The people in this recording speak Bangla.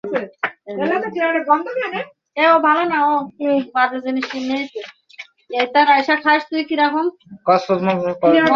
পরে আরও এক বোন ও এক ভাই।